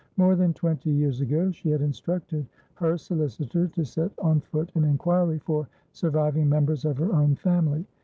More than twenty years ago she had instructed her solicitor to set on foot an inquiry for surviving members of her own family.